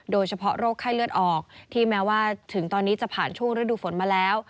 โดยเฉพาะโรคไข้เลือดออกที่แม้ว่าถึงตอนนี้จะผ่านช่วงฤดูฝนมาแล้ว